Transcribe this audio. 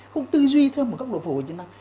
không tư duy thêm vào góc độ phục hồi chức năng